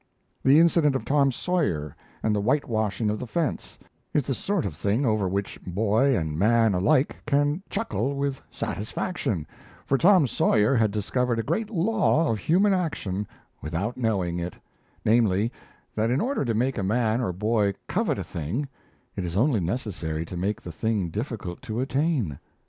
The incident of Tom Sawyer and the whitewashing of the fence is the sort of thing over which boy and man alike can chuckle with satisfaction for Tom Sawyer had discovered a great law of human action without knowing it, namely, that in order to make a man or boy covet a thing, it is only necessary to make the thing difficult to attain.